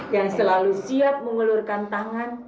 yang selalu siap mengelurkan tangan